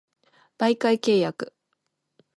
媒介契約